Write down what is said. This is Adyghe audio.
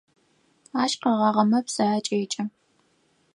Ащ къэгъагъэмэ псы акӏекӏэ.